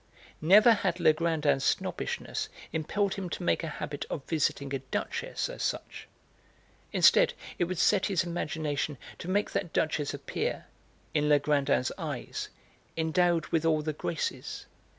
Never had Legrandin's snobbishness impelled him to make a habit of visiting a duchess as such. Instead, it would set his imagination to make that duchess appear, in Legrandin's eyes, endowed with all the graces.